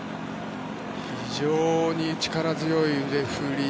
非常に力強い腕振り。